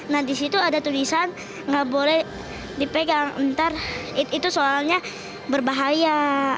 nah di situ ada tulisan nggak boleh dipegang nanti itu soalnya berbahaya